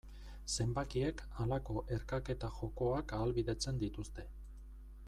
Zenbakiek halako erkaketa jokoak ahalbidetzen dituzte.